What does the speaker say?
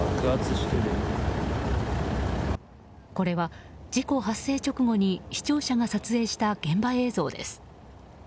これは事故発生直後に視聴者が撮影した現場映像です。